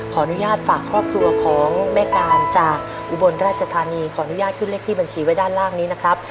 ขออนุญาตฝากครอบครัวของแม่การจากอุบลราชธานีขออนุญาตขึ้นเลขที่บัญชีไว้ด้านล่างนี้นะครับ